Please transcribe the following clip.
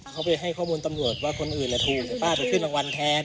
เขาไปให้ข้อมูลตำรวจว่าคนอื่นถูกป้าไปขึ้นรางวัลแทน